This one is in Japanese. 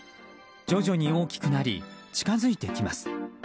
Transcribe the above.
徐々に大きくなり近づいてきます。